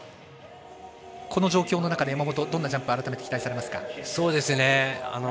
この状況の中で山本どんなジャンプを期待されますか。